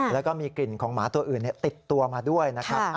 แล้วก็มีกลิ่นของหมาตัวอื่นติดตัวมาด้วยนะครับ